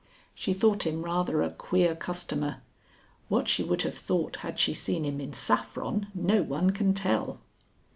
She thought him rather a "queer customer." What she would have thought had she seen him in saffron no one can tell.